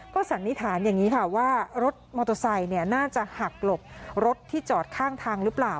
สันนิษฐานอย่างนี้ค่ะว่ารถมอเตอร์ไซค์น่าจะหักหลบรถที่จอดข้างทางหรือเปล่า